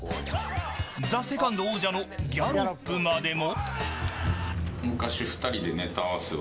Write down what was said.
ＴＨＥＳＥＣＯＮＤ王者のギャロップまでも。